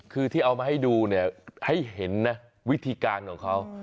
คือที่เอามาให้ดูเนี่ยให้เห็นนะวิธีการของเขา